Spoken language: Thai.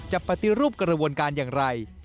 ปฏิรูปกระบวนการอย่างไร